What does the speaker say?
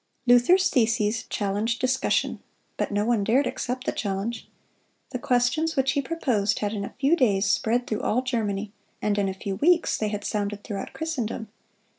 Luther's theses challenged discussion; but no one dared accept the challenge. The questions which he proposed had in a few days spread through all Germany, and in a few weeks they had sounded throughout Christendom.